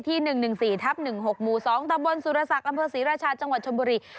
ที่๑๑๔ทัพ๑๖หมู่๒ตำบลสุรษะกัมภาษีราชาติจังหวัดชมบุรี